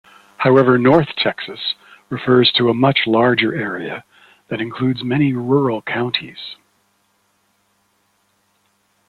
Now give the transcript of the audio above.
However, North Texas refers to a much larger area that includes many rural counties.